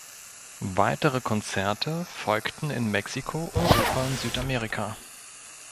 Weitere Konzerte folgten in Mexiko, Europa und Südamerika.